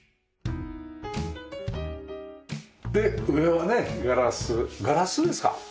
で上はねガラスガラスですか？